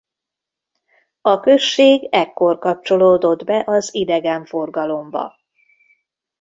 A község ekkor kapcsolódott be az idegenforgalomba.